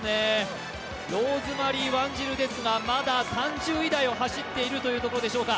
ローズマリー・ワンジルですがまだ３０位台を走ってるというところでしょうか。